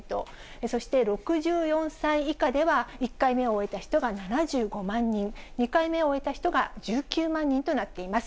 そして６４歳以下では、１回目を終えた人が７５万人、２回目を終えた人が１９万人となっています。